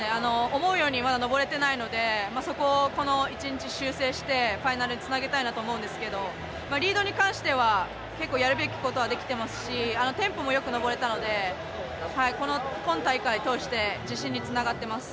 思うようにまだ登れていないのでそこを、この１日修正して、ファイナルにつなげたいと思うんですけどリードに関しては、結構やるべきことは、できてますしテンポもよく登れたので今大会通して自信につながっています。